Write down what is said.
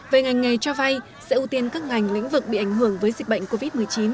về ngành nghề cho vay sẽ ưu tiên các ngành lĩnh vực bị ảnh hưởng với dịch bệnh covid một mươi chín